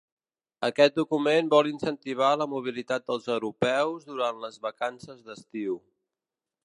Aquest document vol incentivar la mobilitat dels europeus durant les vacances d’estiu.